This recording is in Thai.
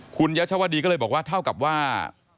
คุณยัชวดีก็เลยบอกว่าเท่ากับว่า